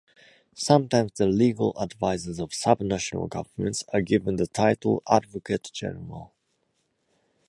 Sometimes the legal advisers of subnational governments are given the title Advocate General.